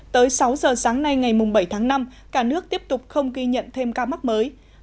tới sáu giờ sáng nay ngày bảy tháng năm cả nước tiếp tục không ghi nhận thêm ca mắc mới